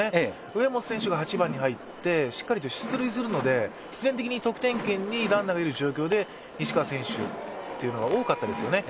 上本選手が８番に入って、しっかりと出塁するので必然的に得点圏にランナーがいる状況で西川選手というのが多かったですよね。